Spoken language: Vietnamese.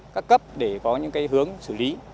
các cấp để có những cái hướng xử lý